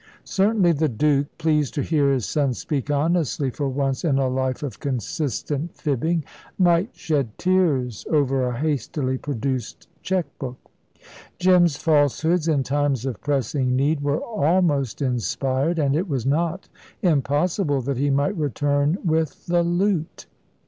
Certainly the Duke, pleased to hear his son speak honestly for once in a life of consistent fibbing, might shed tears over a hastily produced cheque book. Jim's falsehoods, in times of pressing need, were almost inspired, and it was not impossible that he might return with the loot.